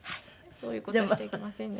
そういう事はしちゃいけませんね。